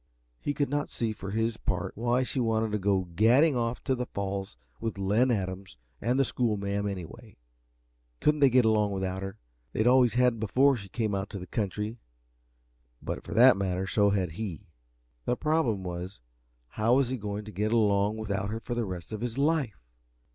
He could not see, for his part, why she wanted to go gadding off to the Falls with Len Adams and the schoolma'am, anyway. Couldn't they get along without her? They always had, before she came to the country; but, for that matter, so had he. The problem was, how was he going to get along without her for the rest of his life?